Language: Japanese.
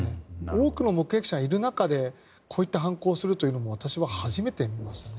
多くの目撃者がいる中でこういった犯行をするというのは私は初めて見ましたね。